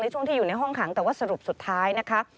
ช่วงที่อยู่ในห้องขังแต่ว่าสรุปสุดท้ายนะคะ